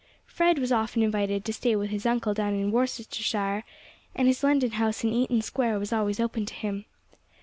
Fred was often invited to stay with his uncle down in Worcestershire, and his London house in Eaton Square was always open to him.